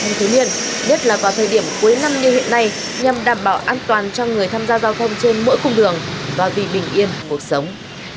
thanh thiếu niên nhất là vào thời điểm cuối năm như hiện nay nhằm đảm bảo an toàn cho người tham gia giao thông trên mỗi cung đường và vì bình yên cuộc sống